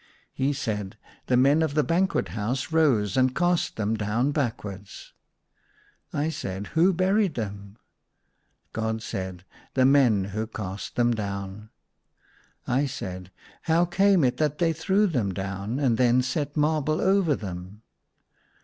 He said, " The men of the banquet house rose and cast them down back wards." I said, '• Who buried them ?". God said, "The men who cast them down." 148 THE SUNLIGHT LA V I said, " How came it that they threw them down, and then set marble over them